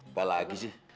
apa lagi sih